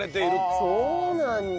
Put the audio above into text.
そうなんだ。